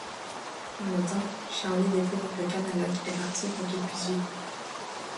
Un matin, Charlie découvre que Kanaalaq est partie pour qu'il puisse vivre.